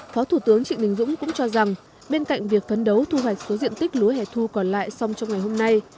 phó thủ tướng trịnh đình dũng cũng cho rằng bên cạnh việc phấn đấu thu hoạch số diện tích lúa hẻ thu còn lại xong trong ngày hôm nay